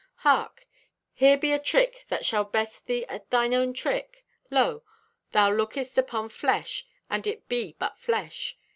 "Hark! Here be a trick that shall best thee at thine own trick. Lo, thou lookest upon flesh and it be but flesh.